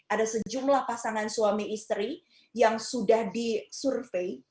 ada sejumlah pasangan suami istri yang sudah disurvey